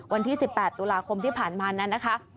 วันที่๑๘ตุลาคมที่ผ่านมานั้นนะคะ